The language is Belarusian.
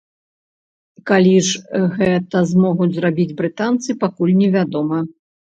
Калі ж гэта змогуць зрабіць брытанцы, пакуль не вядома.